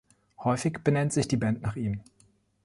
Häufig benennt sich die Band nach ihm.